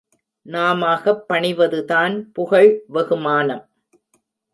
நாமாகப் பணிவதுதான் புகழ் வெகுமானம்.